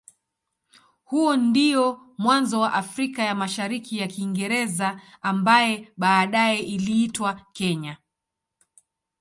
Huo ndio mwanzo wa Afrika ya Mashariki ya Kiingereza ambaye baadaye iliitwa Kenya.